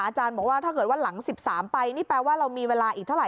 อาจารย์บอกว่าถ้าเกิดว่าหลัง๑๓ไปนี่แปลว่าเรามีเวลาอีกเท่าไ